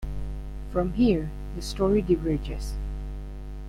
From here, the story diverges.